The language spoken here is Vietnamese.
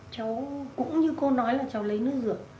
cháu cũng như cô nói là cháu lấy nước rửa